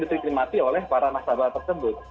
diterima oleh para nasabah tersebut